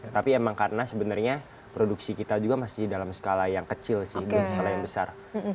tapi emang karena sebenarnya produksi kita juga masih dalam skala yang kecil sih belum skala yang besar